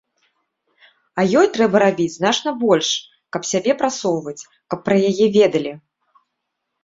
А ёй трэба рабіць значна больш, каб сябе прасоўваць, каб пра яе ведалі.